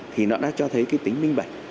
thì nó đã cho thấy cái tính minh bạch